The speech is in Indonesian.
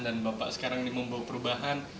dan bapak sekarang ini membawa perubahan